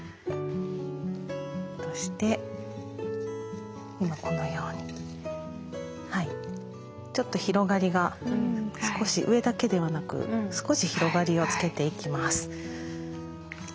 そして今このようにちょっと広がりが少し上だけではなく少し広がりをつけていきます。